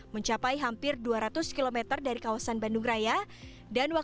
mencapai hampir dua ratus km dari kawasan bandung raya